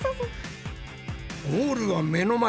ゴールは目の前！